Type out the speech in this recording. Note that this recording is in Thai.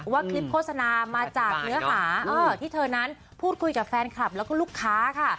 ว่าคลิปโฆษณามาจากเนื้อหาที่เธอนั้นพูดคุยกับแฟนคลับแล้วก็ลูกค้าค่ะ